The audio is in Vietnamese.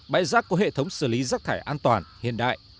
bãi giác có hệ thống xử lý giác thải an toàn hiện đại